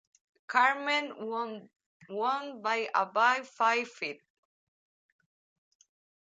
Cartmell won by about five feet.